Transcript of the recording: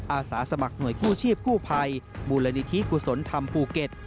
อาสาสมัครหน่วยกู้ชีพกู้ภัยมูลนิธิกุศลธรรมภูเก็ต